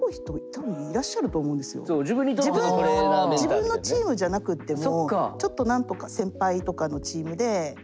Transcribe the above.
自分のチームじゃなくってもちょっと何とか先輩とかのチームで。